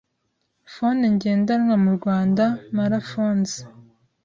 fone ngendanwa mu Rwanda Mara Phones